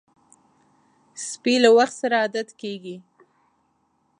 سپي له وخت سره عادت کېږي.